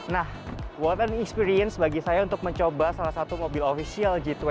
nah what and experience bagi saya untuk mencoba salah satu mobil official g dua puluh